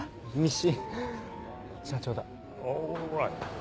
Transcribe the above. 支社長だ。